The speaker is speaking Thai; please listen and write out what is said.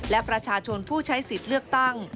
และประชาชนผู้ใช้สิทธิ์เลือกตั้ง